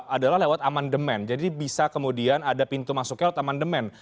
adalah lewat aman demand jadi bisa kemudian ada pintu masuknya lewat aman demand